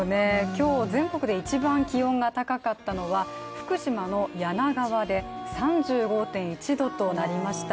今日、全国で一番気温が高かったのは福島の梁川で３５．１度となりました。